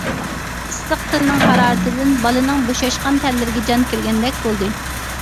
ئىسسىق تىلنىڭ ھارارىتىدىن بالىنىڭ بوشاشقان تەنلىرىگە جان كىرگەندەك بولدى.